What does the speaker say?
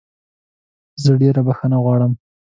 زه ډېره بخښنه غواړم.